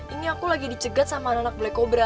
ini aku lagi dicegat sama anak anak black cobra